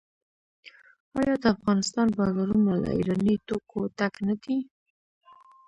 آیا د افغانستان بازارونه له ایراني توکو ډک نه دي؟